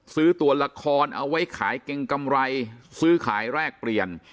ซื้อตัวละครเอาไว้ขายเกรงกำไรซื้อขายแรกเปลี่ยน